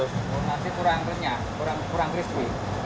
masih kurang renyah kurang crispy